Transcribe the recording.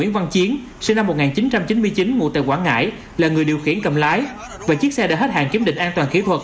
quảng ngãi là người điều khiển cầm lái và chiếc xe đã hết hạn kiểm định an toàn kỹ thuật